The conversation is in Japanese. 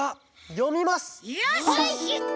よし！